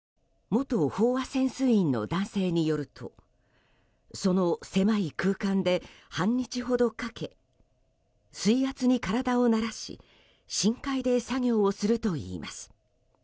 元飽和潜水員の男性によるとその狭い空間で半日ほどかけ水圧に体を慣らし深海で作業をするといいます。